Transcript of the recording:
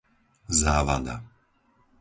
Závada